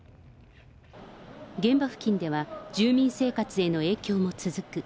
現場付近では住民生活への影響も続く。